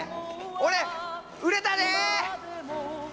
俺売れたで！